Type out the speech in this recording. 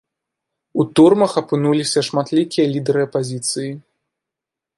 У турмах апынуліся шматлікія лідары апазіцыі.